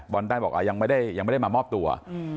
ใต้บอกยังไม่ได้ยังไม่ได้มามอบตัว